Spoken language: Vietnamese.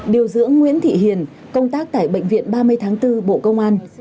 điều dưỡng nguyễn thị hiền công tác tại bệnh viện ba mươi tháng bốn bộ công an